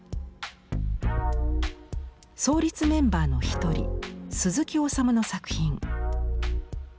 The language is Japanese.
創立メンバーのひとり鈴木治の作品。